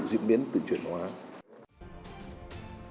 có đấu tranh chuyên án